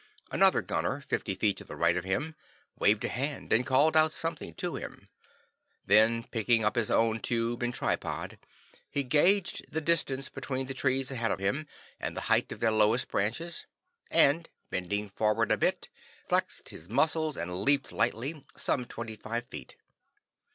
Another gunner, fifty feet to the right of him, waved a hand and called out something to him. Then, picking up his own tube and tripod, he gauged the distance between the trees ahead of him, and the height of their lowest branches, and bending forward a bit, flexed his muscles and leaped lightly, some twenty five feet.